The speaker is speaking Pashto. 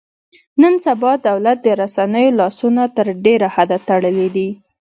نن سبا دولت د رسنیو لاسونه تر ډېره حده تړلي دي.